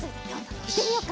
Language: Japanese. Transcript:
いってみよう！